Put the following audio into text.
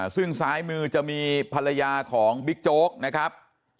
ซึ่งซ้ายมือจะมีภรรยาของบิ๊กโจ๊กนะครับ